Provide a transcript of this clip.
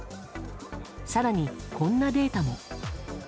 更に、こんなデータも。